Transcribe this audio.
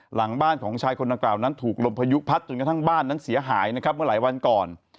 หลังบ้านของชายคนดังกล่าวนั้นถูกลมพายุพัดจนกระทั่งบ้านนั้นเสียหายนะครับเมื่อหลายวันก่อน